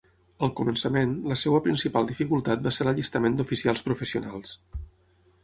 Al començament, la seva principal dificultat va ser l'allistament d'oficials professionals.